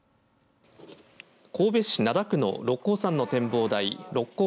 神戸市灘区の六甲山の展望台六甲